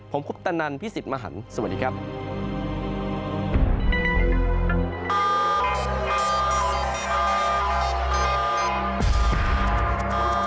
ผมคุปตนันพี่สิทธิ์มหันฯสวัสดีครับ